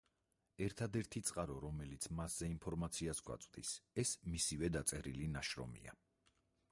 ერთადერთი წყარო, რომელიც მასზე ინფორმაციას გვაწვდის, ეს მისივე დაწერილი ნაშრომია.